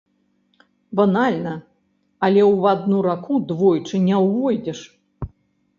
Банальна, але ў адну раку двойчы не ўвойдзеш.